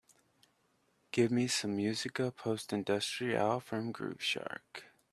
Give me some Musica Post-industriale from Groove Shark